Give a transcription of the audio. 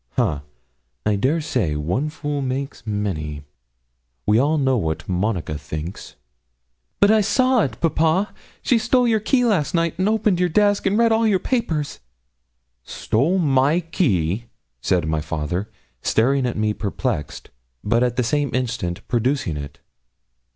'Ha! I dare say; one fool makes many. We all know what Monica thinks.' 'But I saw it, papa. She stole your key last night, and opened your desk, and read all your papers.' 'Stole my key!' said my father, staring at me perplexed, but at the same instant producing it.